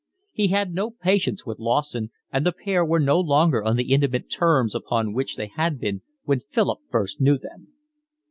He had no patience with Lawson, and the pair were no longer on the intimate terms upon which they had been when Philip first knew them.